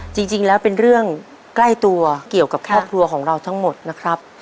จริงแล้วเป็นเรื่องใกล้ตัวเกี่ยวกับครอบครัวของเราทั้งหมดนะครับ